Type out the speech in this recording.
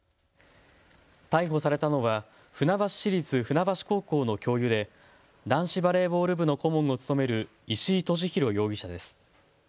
逮捕されたのは船橋市立船橋高校の教諭で男子バレーボール部の顧問を務める石井利広容疑者です。